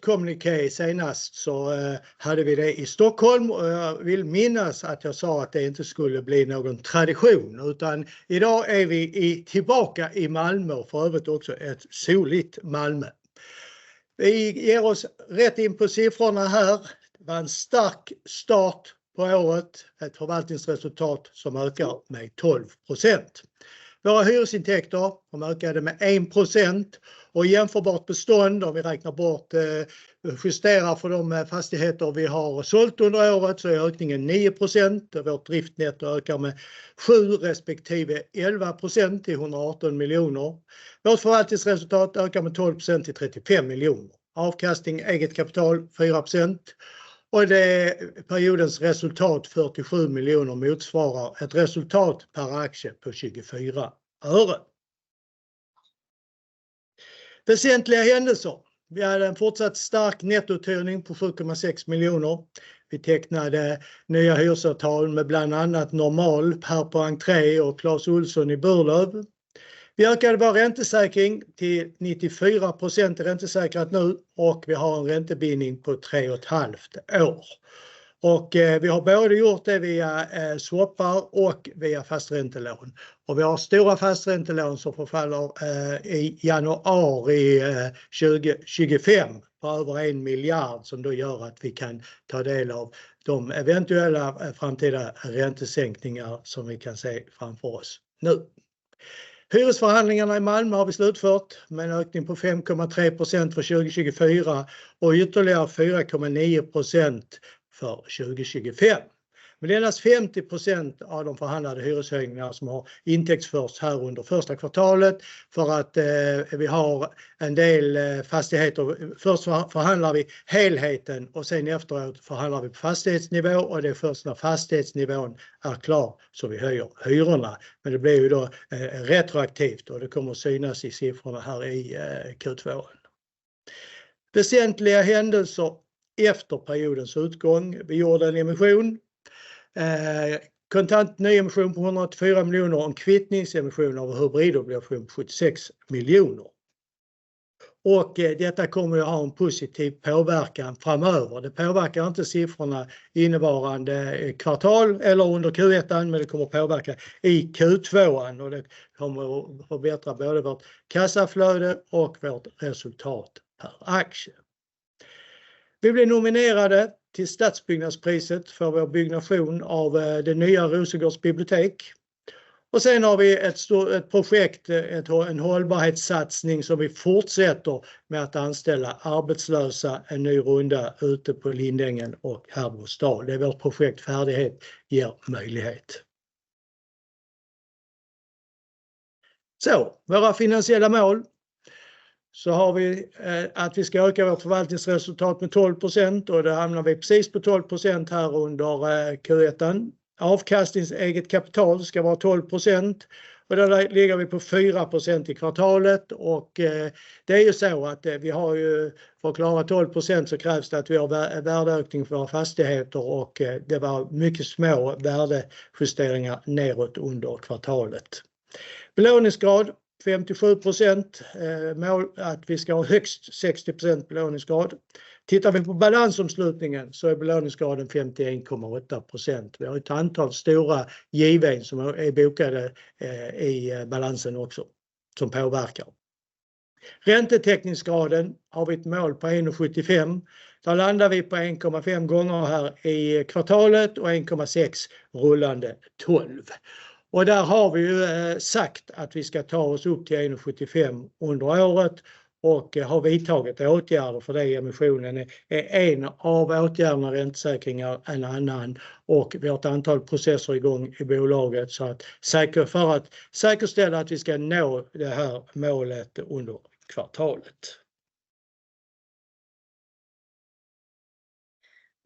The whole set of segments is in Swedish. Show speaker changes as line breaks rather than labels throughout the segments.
Kommuniké senast så hade vi det i Stockholm och jag vill minnas att jag sa att det inte skulle bli någon tradition, utan idag är vi tillbaka i Malmö och för övrigt också ett soligt Malmö. Vi ger oss rätt in på siffrorna här. Det var en stark start på året, ett förvaltningsresultat som ökar med 12%. Våra hyresintäkter, de ökade med 1% och jämförbart bestånd, om vi räknar bort, justerar för de fastigheter vi har sålt under året, så är ökningen 9%. Vårt driftnetto ökar med 7% respektive 11% till 118 miljoner. Vårt förvaltningsresultat ökar med 12% till 35 miljoner. Avkastning, eget kapital, 4%. Det är periodens resultat, 47 miljoner motsvarar ett resultat per aktie på 24 öre. Väsentliga händelser. Vi hade en fortsatt stark nettouthyrning på 70,6 miljoner. Vi tecknade nya hyresavtal med bland annat Normal här på Entré och Claes Ohlsson i Burlöv. Vi ökade vår räntesäkring till 94% är räntesäkrat nu och vi har en räntebindning på tre och ett halvt år. Vi har både gjort det via swapar och via fasträntelån. Vi har stora fasträntelån som förfaller i januari 2025 på över en miljard, som då gör att vi kan ta del av de eventuella framtida räntesänkningar som vi kan se framför oss nu. Hyresförhandlingarna i Malmö har vi slutfört med en ökning på 5,3% för 2024 och ytterligare 4,9% för 2025. Men endast 50% av de förhandlade hyreshöjningarna som har intäktsförts här under första kvartalet för att vi har en del fastigheter. Först så förhandlar vi helheten och sedan efteråt förhandlar vi på fastighetsnivå och det är först när fastighetsnivån är klar, så vi höjer hyrorna. Men det blir ju då retroaktivt och det kommer att synas i siffrorna här i Q2. Väsentliga händelser efter periodens utgång. Vi gjorde en emission, kontant nyemission på 184 miljoner, en kvittningsemission av hybridobligationer på 76 miljoner. Detta kommer att ha en positiv påverkan framöver. Det påverkar inte siffrorna innevarande kvartal eller under Q1, men det kommer att påverka i Q2 och det kommer att förbättra både vårt kassaflöde och vårt resultat per aktie. Vi blir nominerade till Stadsbyggnadspriset för vår byggnation av det nya Rosegårdsbibliotek. Sedan har vi ett stort projekt, en hållbarhetssatsning som vi fortsätter med att anställa arbetslösa, en ny runda ute på Lindängen och Herrbro stad. Det är vårt projekt Färdighet ger möjlighet. Våra finansiella mål. Vi har att vi ska öka vårt förvaltningsresultat med 12% och det hamnar vi precis på 12% här under Q1. Avkastning eget kapital ska vara 12% och där ligger vi på 4% i kvartalet och det är att vi har, för att klara 12% så krävs det att vi har värdeökning för våra fastigheter och det var mycket små värdejusteringar nedåt under kvartalet. Belåningsgrad 57%, mål att vi ska ha högst 60% belåningsgrad. Tittar vi på balansomslutningen så är belåningsgraden 51,8%. Vi har ett antal stora givna som är bokade i balansen också, som påverkar. Räntetäckningsgraden har vi ett mål på 1,75. Där landar vi på 1,5 gånger här i kvartalet och 1,6 rullande tolv. Och där har vi ju sagt att vi ska ta oss upp till en och sjuttiofem under året och har vidtagit åtgärder för det. Emissionen är en av åtgärderna, räntesäkringar en annan, och vi har ett antal processer i gång i bolaget så att säkerställa att vi ska nå det här målet under kvartalet.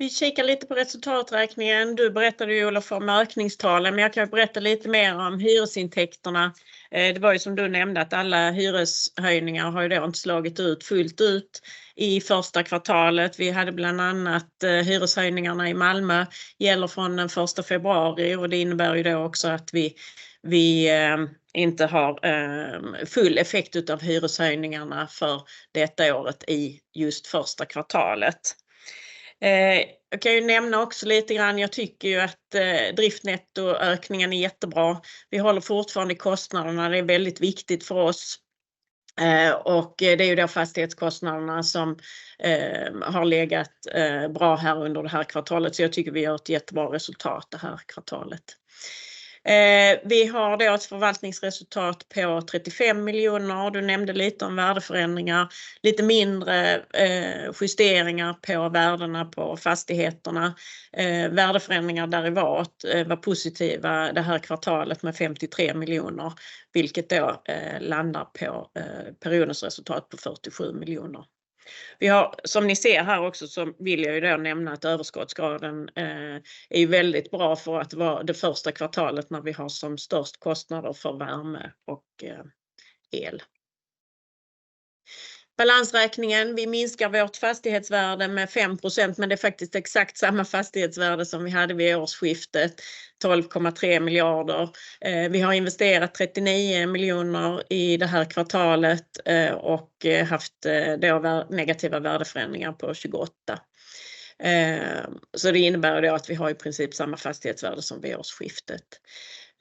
Vi kikar lite på resultaträkningen. Du berättade ju Olof om ökningstalen, men jag kan berätta lite mer om hyresintäkterna. Det var ju som du nämnde, att alla hyreshöjningar har ju då inte slagit ut fullt ut i första kvartalet. Vi hade bland annat hyreshöjningarna i Malmö, gäller från den första februari och det innebär ju då också att vi inte har full effekt utav hyreshöjningarna för detta året i just första kvartalet. Jag kan ju nämna också lite grann, jag tycker ju att driftnettoökningen är jättebra. Vi håller fortfarande kostnaderna, det är väldigt viktigt för oss. Det är ju då fastighetskostnaderna som har legat bra här under det här kvartalet. Så jag tycker vi har ett jättebra resultat det här kvartalet. Vi har då ett förvaltningsresultat på 35 miljoner. Du nämnde lite om värdeförändringar, lite mindre justeringar på värdena på fastigheterna. Värdeförändringar derivat var positiva det här kvartalet med 53 miljoner, vilket då landar på periodens resultat på 47 miljoner. Vi har, som ni ser här också, så vill jag då nämna att överskottsgraden är väldigt bra för att vara det första kvartalet när vi har som störst kostnader för värme och el. Balansräkningen, vi minskar vårt fastighetsvärde med 5%, men det är faktiskt exakt samma fastighetsvärde som vi hade vid årsskiftet, 12,3 miljarder. Vi har investerat 39 miljoner i det här kvartalet och haft då negativa värdeförändringar på 28. Det innebär det att vi har i princip samma fastighetsvärde som vid årsskiftet.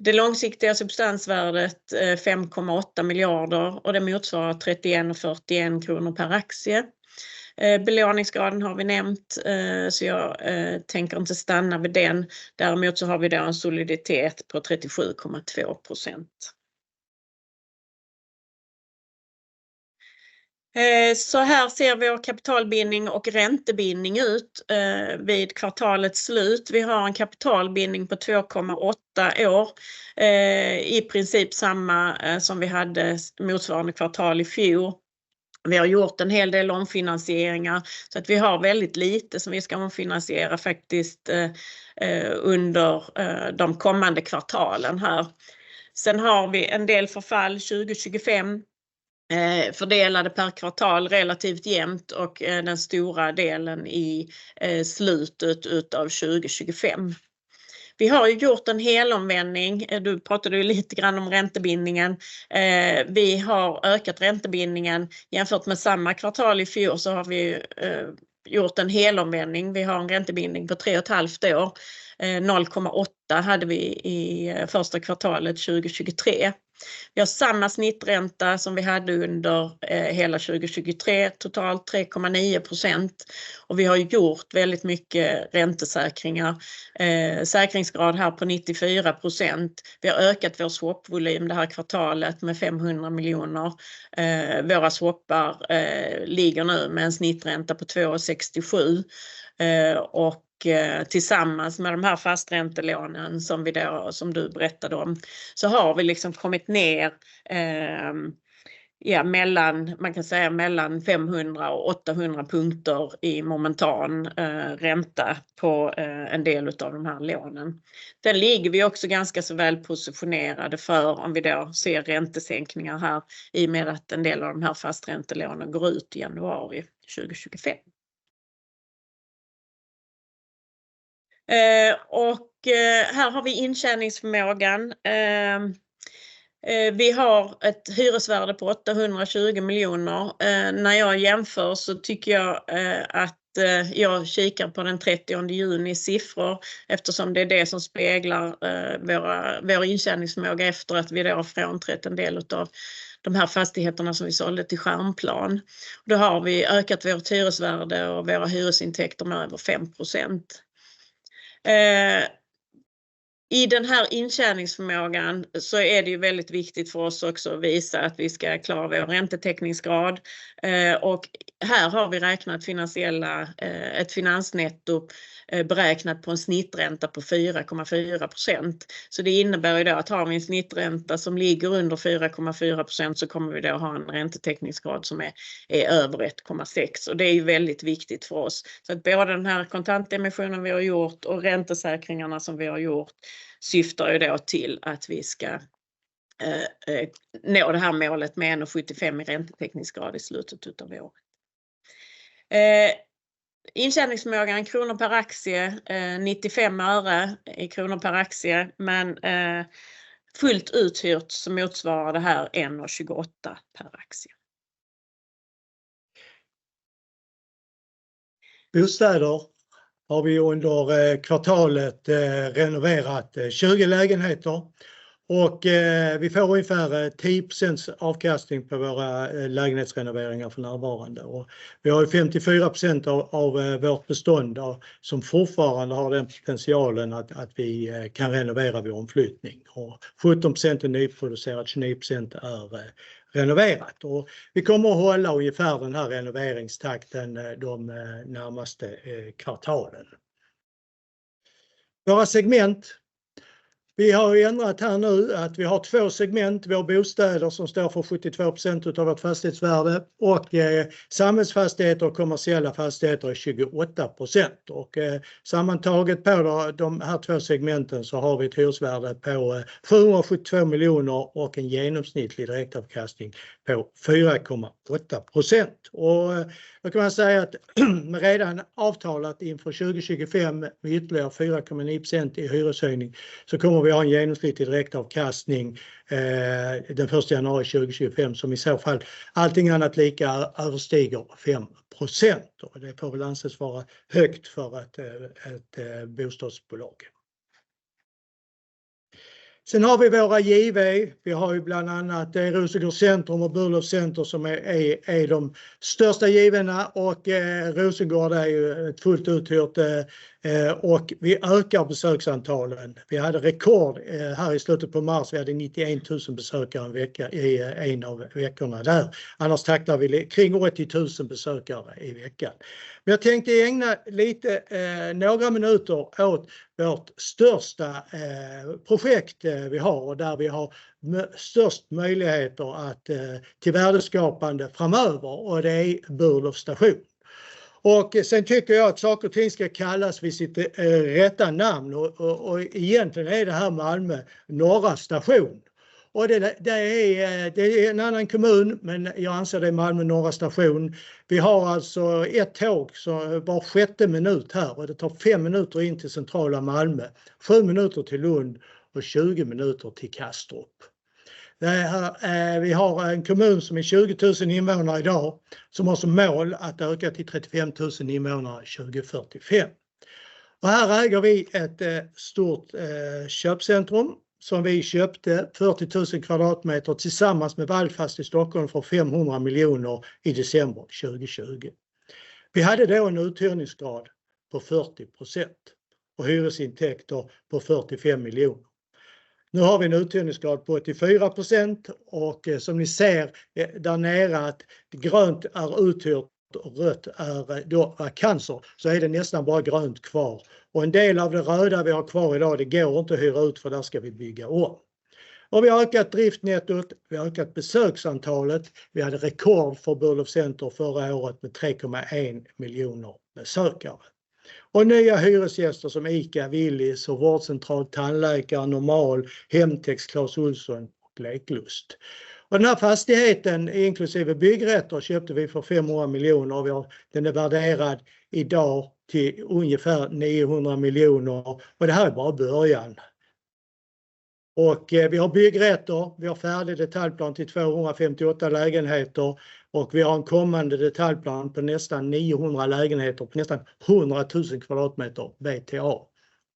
Det långsiktiga substansvärdet, 5,8 miljarder, och det motsvarar 31 och 41 kronor per aktie. Belåningsgraden har vi nämnt, så jag tänker inte stanna vid den. Däremot så har vi då en soliditet på 37,2%. Så här ser vår kapitalbindning och räntebindning ut vid kvartalets slut. Vi har en kapitalbindning på 2,8 år, i princip samma som vi hade motsvarande kvartal i fjol. Vi har gjort en hel del omfinansieringar så att vi har väldigt lite som vi ska omfinansiera faktiskt under de kommande kvartalen här. Sen har vi en del förfall 2025, fördelade per kvartal relativt jämnt och den stora delen i slutet av 2025. Vi har ju gjort en helomvändning. Du pratade ju lite grann om räntebindningen. Vi har ökat räntebindningen. Jämfört med samma kvartal i fjol så har vi gjort en helomvändning. Vi har en räntebindning på 3,5 år. 0,8 hade vi i första kvartalet 2023. Vi har samma snittränta som vi hade under hela 2023, totalt 3,9%. Vi har ju gjort väldigt mycket räntesäkringar, säkringsgrad här på 94%. Vi har ökat vår swapvolym det här kvartalet med 500 miljoner. Våra swappar ligger nu med en snittränta på 2,67%. Tillsammans med de här fasträntelånen, som du berättade om, så har vi kommit ner mellan 500 och 800 punkter i momentan ränta på en del av de här lånen. Vi ligger också ganska välpositionerade för om vi ser räntesänkningar här, i och med att en del av de här fasträntelånen går ut i januari 2025. Här har vi intjäningsförmågan. Vi har ett hyresvärde på 820 miljoner. När jag jämför så tycker jag att jag kikar på den 30 juni siffror, eftersom det är det som speglar vår intjäningsförmåga efter att vi har frånträtt en del av de här fastigheterna som vi sålde till Stjärnplan. Då har vi ökat vårt hyresvärde och våra hyresintäkter med över 5%. I den här intjäningsförmågan så är det ju väldigt viktigt för oss också att visa att vi ska klara vår räntetäckningsgrad. Här har vi räknat finansiella, ett finansnetto beräknat på en snittränta på 4,4%. Det innebär ju då att har vi en snittränta som ligger under 4,4%, så kommer vi då att ha en räntetäckningsgrad som är över 1,6 och det är ju väldigt viktigt för oss. Både den här kontantemissionen vi har gjort och räntesäkringarna som vi har gjort, syftar ju då till att vi ska nå det här målet med 1,75 i räntetäckningsgrad i slutet av året. Intjäningsförmågan, kronor per aktie, nittiofem öre i kronor per aktie, men fullt uthyrt så motsvarar det här 1,28 kr per aktie.
Bostäder har vi under kvartalet renoverat tjugo lägenheter och vi får ungefär 10% avkastning på våra lägenhetsrenoveringar för närvarande. Vi har 54% av vårt bestånd som fortfarande har den potentialen att vi kan renovera vid omflyttning. 17% är nyproducerat, 29% är renoverat och vi kommer att hålla ungefär den här renoveringstakten de närmaste kvartalen. Våra segment, vi har ändrat här nu att vi har två segment, vi har bostäder som står för 72% av vårt fastighetsvärde och samhällsfastigheter och kommersiella fastigheter är 28%. Sammantaget på de här två segmenten så har vi ett hyresvärde på 772 miljoner och en genomsnittlig direktavkastning på 4,8%. Och då kan man säga att redan avtalat inför 2025 med ytterligare 4,9% i hyreshöjning, så kommer vi att ha en genomsnittlig direktavkastning den första januari 2025, som i så fall allting annat lika överstiger 5%. Det får väl anses vara högt för ett bostadsbolag. Sen har vi våra JV. Vi har ju bland annat Rosengård Centrum och Burlöf Center som är de största JV:ena och Rosengården är ju ett fullt uthyrt och vi ökar besöksantalen. Vi hade rekord här i slutet på mars, vi hade 91 000 besökare en vecka i en av veckorna där. Annars taktar vi kring 80 000 besökare i veckan. Jag tänkte ägna lite, några minuter åt vårt största projekt vi har och där vi har störst möjligheter att, till värdeskapande framöver och det är Burlöf station. Sen tycker jag att saker och ting ska kallas vid sitt rätta namn och egentligen är det här Malmö Norra station. Det är en annan kommun, men jag anser det är Malmö Norra station. Vi har alltså ett tåg som var sjätte minut här och det tar fem minuter in till centrala Malmö, sju minuter till Lund och tjugo minuter till Kastrup. Vi har en kommun som är tjugotusen invånare idag, som har som mål att öka till trettiofemtusen invånare 2045. Här äger vi ett stort köpcentrum som vi köpte fyrtiotusen kvadratmeter tillsammans med Balfast i Stockholm för 500 miljoner kronor i december 2020. Vi hade då en uthyrningsgrad på 40% och hyresintäkter på 45 miljoner kronor. Nu har vi en uthyrningsgrad på 84% och som ni ser där nere att grönt är uthyrt och rött är då vakanser, så är det nästan bara grönt kvar. En del av det röda vi har kvar idag, det går inte att hyra ut för där ska vi bygga om. Vi har ökat driftnettot, vi har ökat besöksantalet. Vi hade rekord för Burlöv Center förra året med 3,1 miljoner besökare. Nya hyresgäster som ICA, Willys, Vårdcentral, Tandläkare, Normal, Hemtex, Claes Ohlsson och Leklust. Den här fastigheten, inklusive byggrätter, köpte vi för 500 miljoner kronor och vi har, den är värderad idag till ungefär 900 miljoner kronor. Det här är bara början. Vi har byggrätter, vi har färdig detaljplan till 258 lägenheter och vi har en kommande detaljplan på nästan 900 lägenheter, på nästan 100 000 kvadratmeter BTA.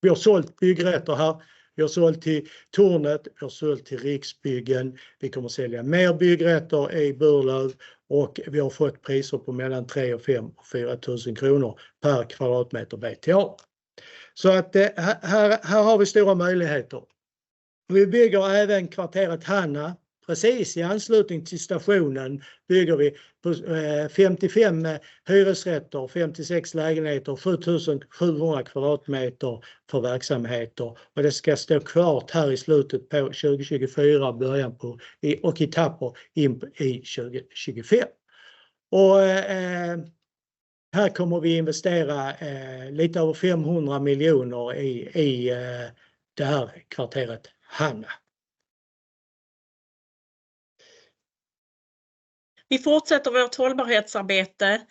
Vi har sålt byggrätter här. Vi har sålt till Tornet, vi har sålt till Riksbyggen. Vi kommer att sälja mer byggrätter i Burlöv och vi har fått priser på mellan 3 000 och 5 400 kronor per kvadratmeter BTA. Så att det, här har vi stora möjligheter. Vi bygger även kvarteret Hanna. Precis i anslutning till stationen bygger vi 55 hyresrätter, 56 lägenheter, 7 700 kvadratmeter för verksamheter och det ska stå klart här i slutet på 2024, början på, och i etapper in i 2025. Här kommer vi investera lite över 500 miljoner kronor i det här kvarteret Hanna.
Vi fortsätter vårt hållbarhetsarbete.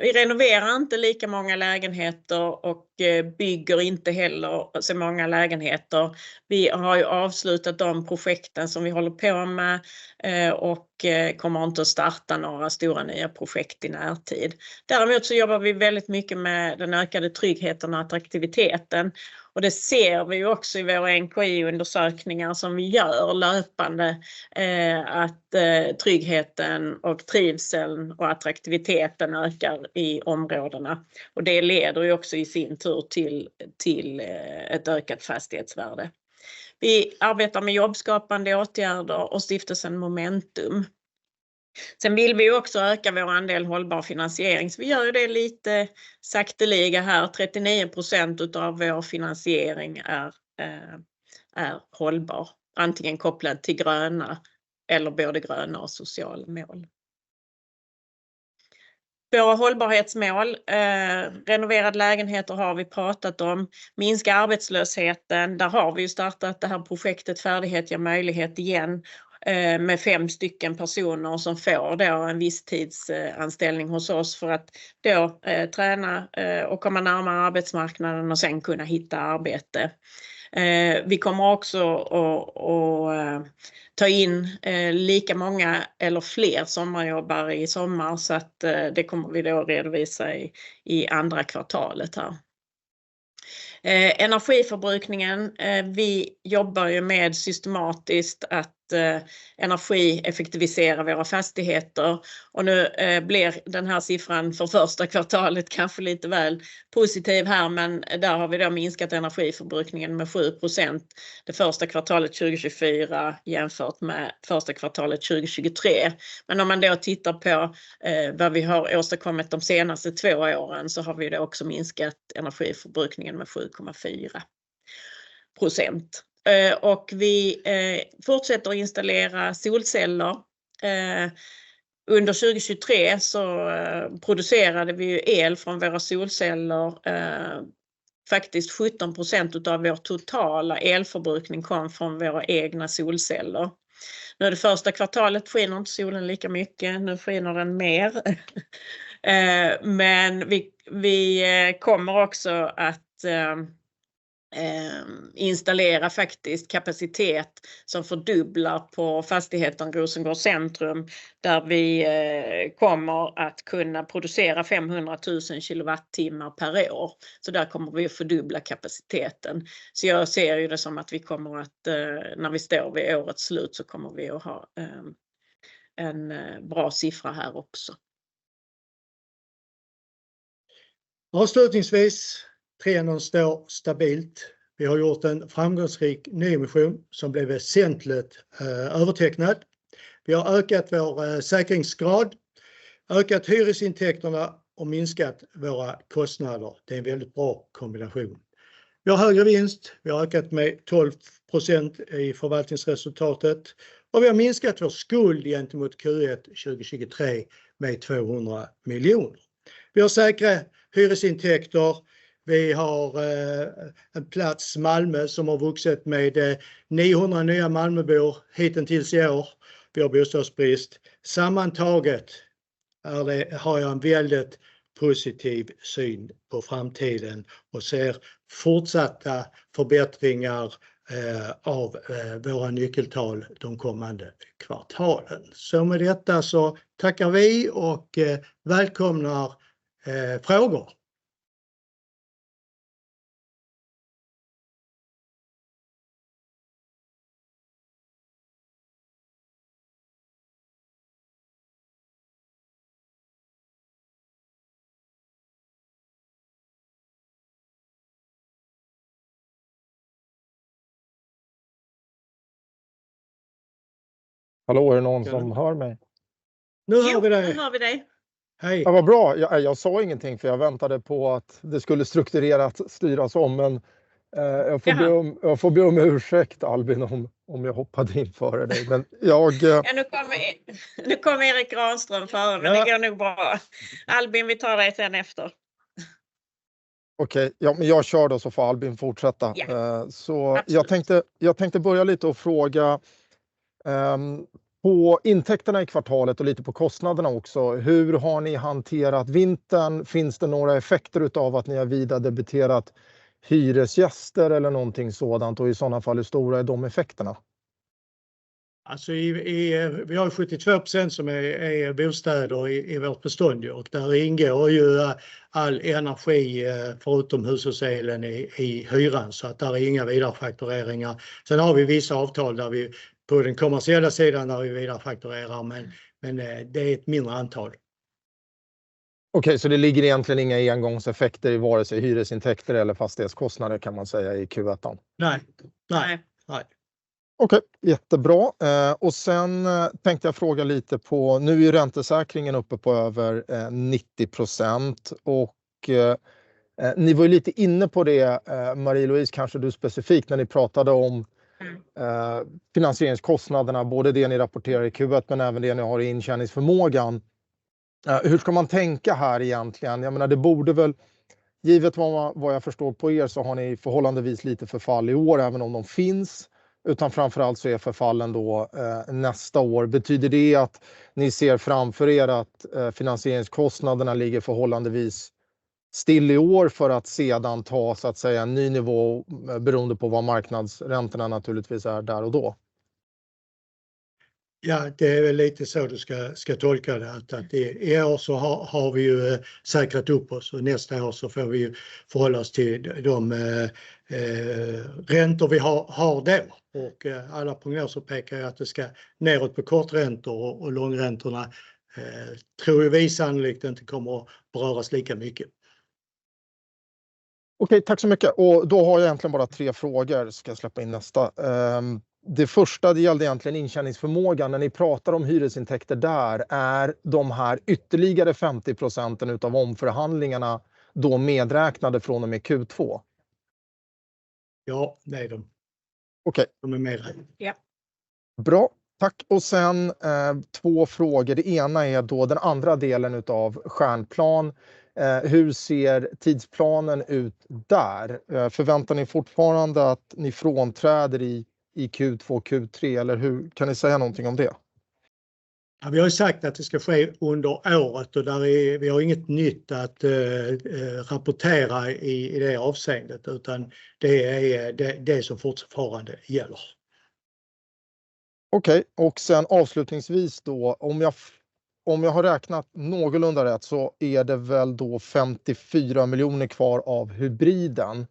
Vi renoverar inte lika många lägenheter och bygger inte heller så många lägenheter. Vi har avslutat de projekten som vi håller på med och kommer inte att starta några stora nya projekt i närtid. Däremot jobbar vi väldigt mycket med den ökade tryggheten och attraktiviteten och det ser vi också i våra NKI-undersökningar som vi gör löpande, att tryggheten och trivseln och attraktiviteten ökar i områdena. Det leder också i sin tur till ett ökat fastighetsvärde. Vi arbetar med jobbskapande åtgärder och stiftelsen Momentum. Sen vill vi också öka vår andel hållbar finansiering. Vi gör det lite sakteliga här. 39% av vår finansiering är hållbar, antingen kopplad till gröna eller både gröna och sociala mål. Våra hållbarhetsmål, renoverade lägenheter har vi pratat om. Minska arbetslösheten, där har vi startat det här projektet Färdighet ger möjlighet igen, med fem stycken personer som får då en visstidsanställning hos oss för att då träna och komma närmare arbetsmarknaden och sedan kunna hitta arbete. Vi kommer också att ta in lika många eller fler sommarjobbare i sommar så att det kommer vi då att redovisa i andra kvartalet här. Energiförbrukningen, vi jobbar ju med systematiskt att energieffektivisera våra fastigheter och nu blir den här siffran för första kvartalet kanske lite väl positiv här, men där har vi då minskat energiförbrukningen med 7% det första kvartalet 2024 jämfört med första kvartalet 2023. Men om man då tittar på vad vi har åstadkommit de senaste två åren så har vi då också minskat energiförbrukningen med 7,4%. Vi fortsätter att installera solceller. Under 2023 så producerade vi ju el från våra solceller. Faktiskt 17% av vår totala elförbrukning kom från våra egna solceller. Nu är det första kvartalet skiner inte solen lika mycket, nu skiner den mer. Men vi kommer också att installera faktiskt kapacitet som fördubblar på fastigheten Rosengård Centrum, där vi kommer att kunna producera 500,000 kilowattimmar per år. Så där kommer vi att fördubbla kapaciteten. Så jag ser det som att vi kommer att, när vi står vid årets slut, så kommer vi att ha en bra siffra här också.
Avslutningsvis, Trenum står stabilt. Vi har gjort en framgångsrik nyemission som blev väsentligt övertecknad. Vi har ökat vår säkringsgrad, ökat hyresintäkterna och minskat våra kostnader. Det är en väldigt bra kombination. Vi har högre vinst, vi har ökat med 12% i förvaltningsresultatet och vi har minskat vår skuld gentemot Q1 2023 med 200 miljoner. Vi har säkra hyresintäkter. Vi har en plats, Malmö, som har vuxit med 900 nya Malmöbor hitintills i år. Vi har bostadsbrist. Sammantaget har jag en väldigt positiv syn på framtiden och ser fortsatta förbättringar av våra nyckeltal de kommande kvartalen. Med detta tackar vi och välkomnar frågor!
Hallå, är det någon som hör mig?
Nu hör vi dig!
Nu hör vi dig.
Ja, vad bra! Jag sa ingenting för jag väntade på att det skulle strukturerat styras om. Men jag får be om ursäkt Albin, om jag hoppade in före dig. Men jag-
Ja, nu kommer, nu kom Erik Granström före mig. Det går nog bra. Albin, vi tar dig sen efter.
Okej, ja men jag kör då så får Albin fortsätta. Så jag tänkte börja lite och fråga på intäkterna i kvartalet och lite på kostnaderna också. Hur har ni hanterat vintern? Finns det några effekter utav att ni har vidaredebiterat hyresgäster eller någonting sådant? Och i sådana fall, hur stora är de effekterna?
Alltså, vi har ju 72% som är bostäder i vårt bestånd och där ingår ju all energi förutom hushållselen i hyran, så att där är inga vidarefaktureringar. Sen har vi vissa avtal där vi på den kommersiella sidan där vi vidarefakturerar, men det är ett mindre antal.
Okej, så det ligger egentligen inga engångseffekter i varken hyresintäkter eller fastighetskostnader kan man säga i Q1?
Nej, nej, nej.
Okej, jättebra! Och sen tänkte jag fråga lite på, nu är räntesäkringen uppe på över 90% och ni var ju lite inne på det, Marie-Louise, kanske du specifikt när ni pratade om finansieringskostnaderna, både det ni rapporterar i Q1, men även det ni har i intjäningsförmågan. Hur ska man tänka här egentligen? Jag menar, det borde väl, givet vad jag förstår på er, så har ni förhållandevis lite förfall i år, även om de finns, utan framför allt så är förfallen då nästa år. Betyder det att ni ser framför er att finansieringskostnaderna ligger förhållandevis still i år för att sedan ta så att säga en ny nivå beroende på vad marknadsräntorna naturligtvis är där och då?
Ja, det är väl lite så du ska tolka det. Att i år så har vi ju säkrat upp oss och nästa år så får vi ju förhålla oss till de räntor vi har då. Och alla prognoser pekar att det ska nedåt på korträntor och långräntorna tror vi sannolikt inte kommer att beröras lika mycket.
Okej, tack så mycket! Och då har jag egentligen bara tre frågor så ska jag släppa in nästa. Det första, det gällde egentligen intjäningsförmågan. När ni pratar om hyresintäkter där, är de här ytterligare 50% utav omförhandlingarna då medräknade från och med Q2?
Ja, det är de.
Okej.
De är medräknade.
Ja.
Bra, tack! Och sen två frågor. Det ena är då den andra delen utav Stjärnplan. Hur ser tidsplanen ut där? Förväntar ni fortfarande att ni frånträder i Q2, Q3? Eller hur kan ni säga någonting om det?
Ja, vi har ju sagt att det ska ske under året och där är, vi har inget nytt att rapportera i det avseendet, utan det är det som fortfarande gäller.
Okej, och sen avslutningsvis då, om jag har räknat någorlunda rätt så är det väl då 54 miljoner kvar av hybriden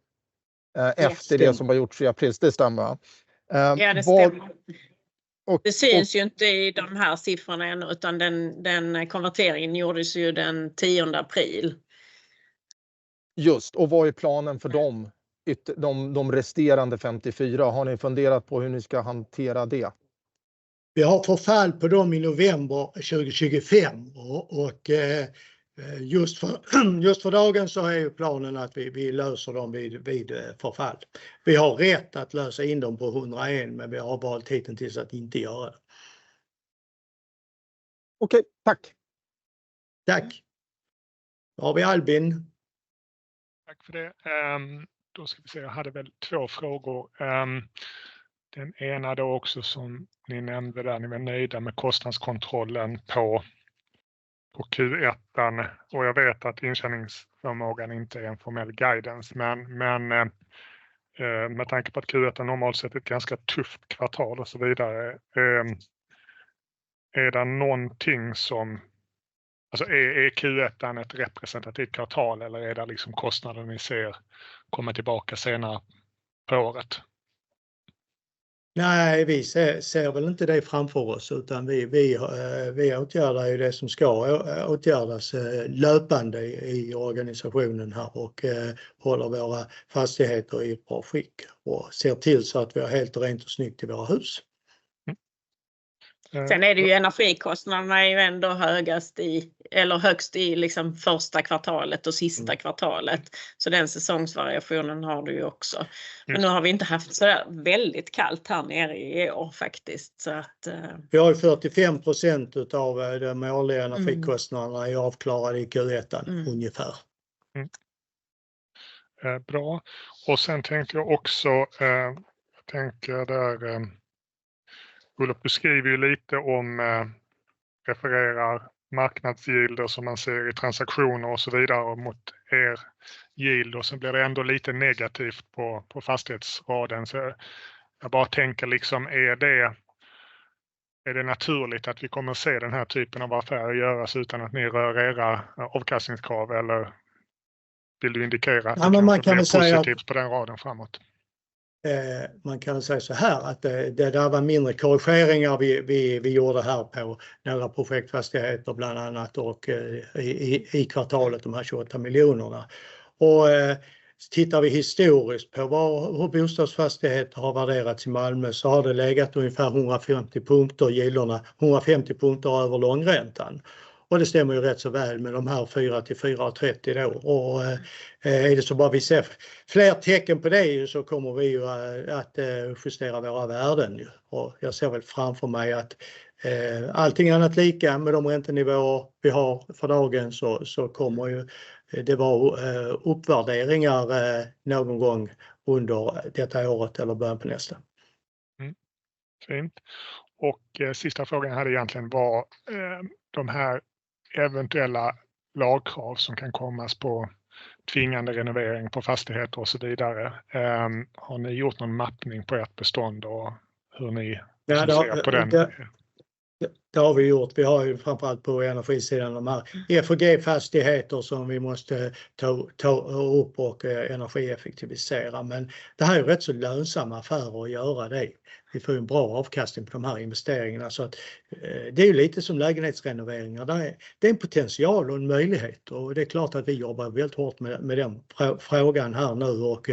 efter det som har gjorts i april. Det stämmer väl?
Ja, det stämmer. Det syns ju inte i de här siffrorna ännu, utan den konverteringen gjordes ju den tionde april.
Just, och vad är planen för de resterande femtiofyra? Har ni funderat på hur ni ska hantera det?
Vi har förfall på dem i november 2025 och just för dagen så är planen att vi löser dem vid förfall. Vi har rätt att lösa in dem på 101%, men vi har valt hittills att inte göra det.
Okej, tack!
Tack. Då har vi Albin.
Tack för det. Då ska vi se, jag hade väl två frågor. Den ena då också, som ni nämnde där, ni var nöjda med kostnadskontrollen på Q1. Och jag vet att intjäningsförmågan inte är en formell guidance, men med tanke på att Q1 är normalt sett ett ganska tufft kvartal och så vidare, är det någonting som... Alltså, är Q1 ett representativt kvartal eller är det kostnaden vi ser komma tillbaka senare på året?
Nej, vi ser väl inte det framför oss, utan vi åtgärdar ju det som ska åtgärdas löpande i organisationen här och håller våra fastigheter i ett bra skick och ser till så att vi har helt rent och snyggt i våra hus.
Sen är det ju energikostnaderna är ju ändå högst i, eller högst i första kvartalet och sista kvartalet. Så den säsongsvariationen har du ju också. Men nu har vi inte haft så där väldigt kallt här nere i år faktiskt. Så att-
Vi har 45% av de årliga energikostnaderna avklarade i Q1 ungefär.
Bra. Och sen tänker jag också, eh, tänker där Ullof du skriver ju lite om refererar marknadsgilder som man ser i transaktioner och så vidare mot er yield och så blir det ändå lite negativt på, på fastighetsraden. Så jag bara tänker liksom, är det, är det naturligt att vi kommer att se den här typen av affärer göras utan att ni rör era avkastningskrav? Eller vill du indikera att man kan vara positiv på den raden framåt?
Man kan väl säga såhär att det där var mindre korrigeringar vi gjorde här på några projektfastigheter, bland annat, och i kvartalet de här 28 miljonerna. Tittar vi historiskt på hur bostadsfastigheter har värderats i Malmö, så har det legat ungefär 150 punkter i yielderna, 150 punkter över långräntan. Det stämmer ju rätt så väl med de här 4% till 4,30% då. Är det så bara vi ser fler tecken på det, så kommer vi ju att justera våra värden. Jag ser väl framför mig att allting annat lika med de räntenivåer vi har för dagen, så kommer ju det vara uppvärderingar någon gång under detta året eller början på nästa.
Mm. Fint. Och sista frågan jag hade egentligen var de här eventuella lagkrav som kan komma att tvinga renovering på fastigheter och så vidare. Har ni gjort någon mappning på ert bestånd och hur ni ser på den?
Det har vi gjort. Vi har ju framför allt på energisidan de här F- och G-fastigheter som vi måste ta upp och energieffektivisera. Men det här är rätt så lönsamma affärer att göra det. Vi får en bra avkastning på de här investeringarna. Så att det är lite som lägenhetsrenoveringar. Det är en potential och en möjlighet och det är klart att vi jobbar väldigt hårt med den frågan här nu och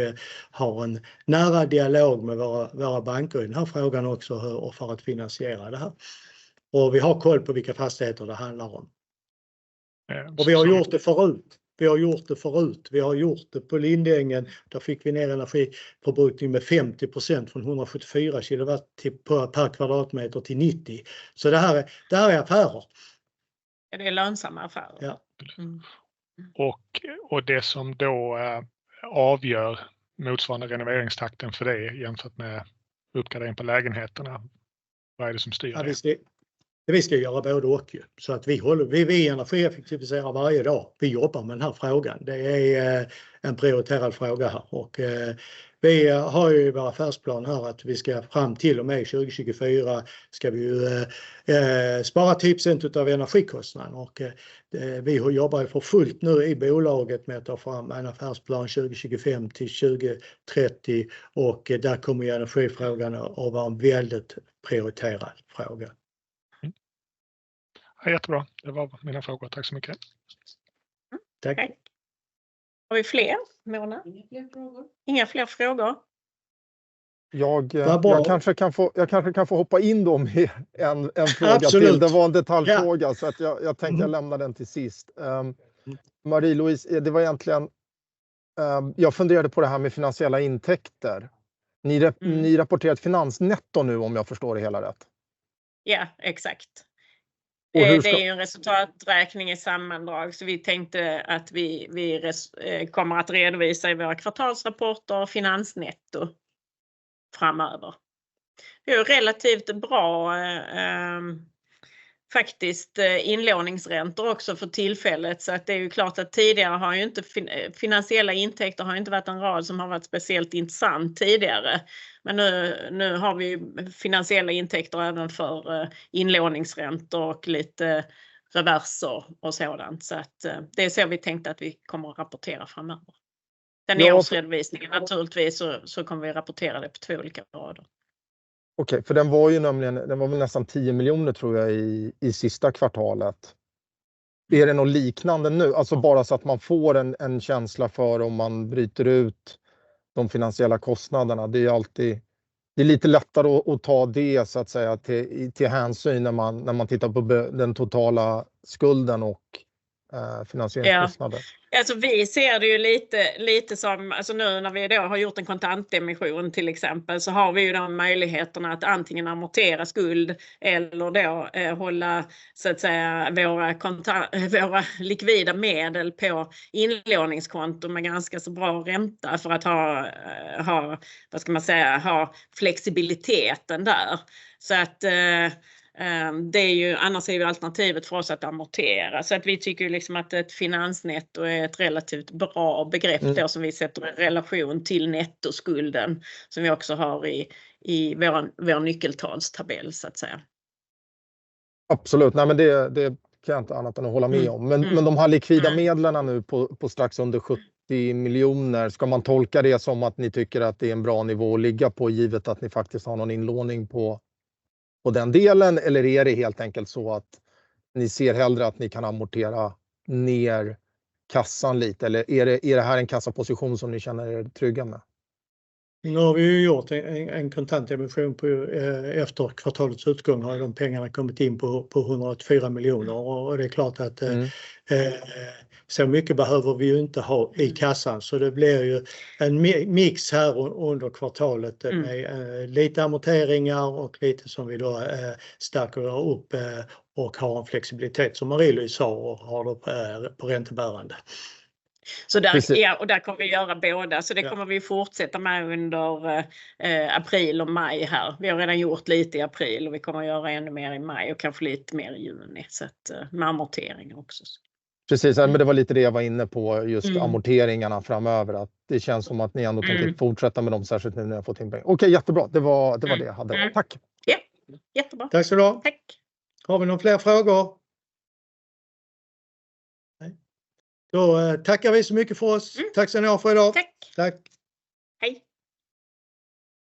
har en nära dialog med våra banker i den här frågan också och för att finansiera det här. Vi har koll på vilka fastigheter det handlar om. Vi har gjort det förut. Vi har gjort det på Lindängen. Då fick vi ner energiförbrukning med 50% från 174 kilowatt per kvadratmeter till 90. Så det här är affärer!
Ja, det är lönsamma affärer.
Ja.
Och det som då avgör motsvarande renoveringstakten för det jämfört med uppgradering på lägenheterna. Vad är det som styr det?
Ja, vi ska göra både och ju. Så att vi håller, vi energieffektiviserar varje dag. Vi jobbar med den här frågan. Det är en prioriterad fråga här och vi har ju i vår affärsplan här att vi ska fram till och med 2024, ska vi ju spara 10% utav energikostnaden och vi jobbar för fullt nu i bolaget med att ta fram en affärsplan 2025 till 2030 och där kommer ju energifrågan att vara en väldigt prioriterad fråga.
Jättebra, det var mina frågor. Tack så mycket!
Tack.
Har vi fler, Mona? Inga fler frågor.
Jag kanske kan få, jag kanske kan få hoppa in då med en fråga.
Absolutely!
Det var en detaljfråga, så jag tänkte lämna den till sist. Marie-Louise, det var egentligen... Jag funderade på det här med finansiella intäkter. Ni rapporterar ett finansnetto nu, om jag förstår det hela rätt?
Ja, exakt. Det är en resultaträkning i sammandrag, så vi tänkte att vi kommer att redovisa i våra kvartalsrapporter finansnetto framöver. Vi har relativt bra inlåningsräntor också för tillfället. Det är ju klart att tidigare har ju inte finansiella intäkter varit en rad som har varit speciellt intressant tidigare, men nu har vi finansiella intäkter även för inlåningsräntor och lite reverser och sådant. Det är så vi tänkte att vi kommer att rapportera framöver. I årsredovisningen naturligtvis så kommer vi att rapportera det på två olika rader.
Okej, för den var ju nämligen, den var väl nästan 10 miljoner tror jag, i sista kvartalet. Är det något liknande nu? Alltså bara så att man får en känsla för om man bryter ut de finansiella kostnaderna. Det är alltid, det är lite lättare att ta det så att säga, till hänsyn när man, när man tittar på den totala skulden och finansieringskostnaden.
Ja, alltså vi ser det ju lite som, alltså nu när vi har gjort en kontantemission till exempel, så har vi ju då möjligheterna att antingen amortera skuld eller då hålla så att säga våra kontanter. Våra likvida medel på inlåningskonto med ganska så bra ränta för att ha flexibiliteten där. Så att det är ju, annars är ju alternativet för oss att amortera. Så att vi tycker att ett finansnetto är ett relativt bra begrepp då som vi sätter i relation till nettoskulden, som vi också har i vår nyckeltalstabell så att säga.
Absolut, nej men det, det kan jag inte annat än att hålla med om. Men de här likvida medlen nu på strax under 70 miljoner, ska man tolka det som att ni tycker att det är en bra nivå att ligga på, givet att ni faktiskt har någon inlåning på den delen? Eller är det helt enkelt så att ni ser hellre att ni kan amortera ner kassan lite? Eller är det, är det här en kassaposition som ni känner er trygga med?
Nu har vi ju gjort en kontantemission på efter kvartalets utgång har de pengarna kommit in på 184 miljoner och det är klart att så mycket behöver vi ju inte ha i kassan. Så det blir ju en mix här under kvartalet med lite amorteringar och lite som vi då stackar upp och har en flexibilitet som Marie-Louise sa och har det på räntebärande.
Så där, ja, och där kommer vi göra båda. Det kommer vi fortsätta med under april och maj här. Vi har redan gjort lite i april och vi kommer att göra ännu mer i maj och kanske lite mer i juni. Med amortering också.
Precis, det var lite det jag var inne på just amorteringarna framöver, att det känns som att ni ändå tänker fortsätta med dem, särskilt nu när jag får in pengar. Okej, jättebra, det var det jag hade. Tack!
Ja, jättebra.
Tack ska du ha.
Tack!
Har vi några fler frågor? Nej, då tackar vi så mycket för oss. Tack ska ni ha för idag.
Tack!
Tack.
Hej!